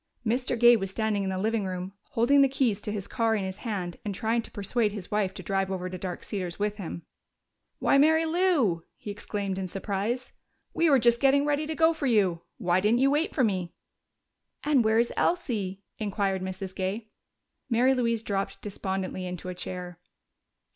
Mr. Gay was standing in the living room, holding the keys to his car in his hand and trying to persuade his wife to drive over to Dark Cedars with him. "Why, Mary Lou!" he exclaimed in surprise. "We were just getting ready to go for you. Why didn't you wait for me?" "And where is Elsie?" inquired Mrs. Gay. Mary Louise dropped despondently into a chair.